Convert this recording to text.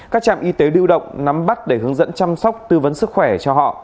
các trạm y tế lưu động nắm bắt để hướng dẫn chăm sóc tư vấn sức khỏe cho họ